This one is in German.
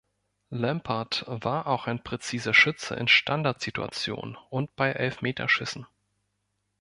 Lampard war auch ein präziser Schütze in Standardsituation und bei Elfmeterschüssen.